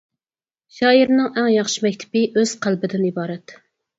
شائىرنىڭ ئەڭ ياخشى مەكتىپى ئۆز قەلبىدىن ئىبارەت.